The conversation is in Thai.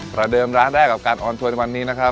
ประเดิมร้านแรกกับการออนทัวร์ในวันนี้นะครับ